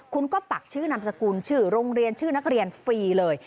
คุณก็ปักชื่อนามสกุลชื่อโรงเรียนชื่อนักเรียนฟรีเลย